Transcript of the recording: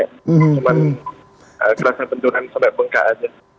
cuman kerasnya benturan sampai bengkak aja